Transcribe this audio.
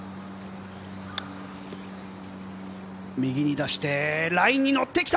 右に出して、ラインにのってきた！